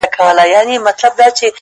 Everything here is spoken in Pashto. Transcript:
دوه زړونه د يوې ستنې له تاره راوتلي-